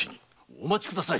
お待ちください。